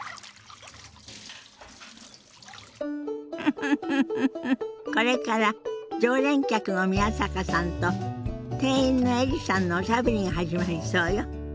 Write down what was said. フフフフこれから常連客の宮坂さんと店員のエリさんのおしゃべりが始まりそうよ。